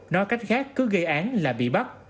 nói cách khác cứ gây án là bị bắt